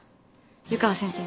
湯川先生。